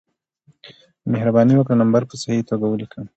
مهربانې وکړه نمبر په صحیح توګه ولېکه